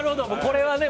これはね